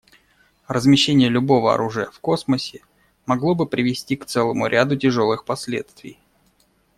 Размещение любого оружия в космосе могло бы привести к целому ряду тяжелых последствий.